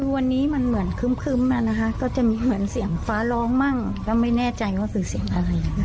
วันนี้มันเหมือนคึ้มนะคะก็จะมีเหมือนเสียงฟ้าร้องมั่งแล้วไม่แน่ใจว่าคือเสียงอะไรอย่างนี้